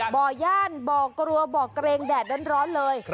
บ่อย่านบ่อกลัวกลวบ่อกระเรงแดดด้านร้อนเลย